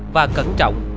và cẩn trọng